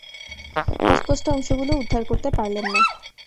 অস্পষ্ট অংশগুলো উদ্ধার করতে পারলেন না।